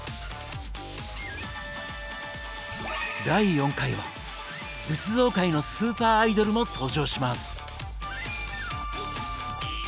第４回は仏像界のスーパーアイドルも登場します。